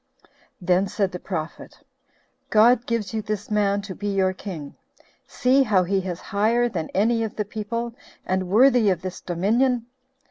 6. Then said the prophet, "God gives you this man to be your king: see how he is higher than any of the people, and worthy of this dominion."